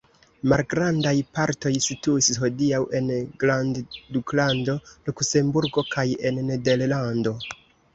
Malgrandaj partoj situis hodiaŭ en grandduklando Luksemburgo kaj en Nederlando.